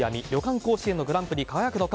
甲子園のグランプリに輝くのか。